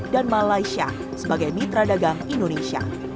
dan malaysia sebagai mitra dagang indonesia